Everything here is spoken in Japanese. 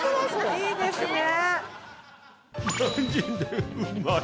いいですね。